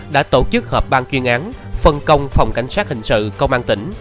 đã tổ chức họp ban chuyên án phân công phòng cảnh sát hình sự công an tỉnh